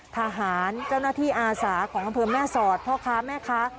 ทหารเจ้าหน้าที่อาสาของอำเภอแม่สอดพ่อค้าแม่ค้า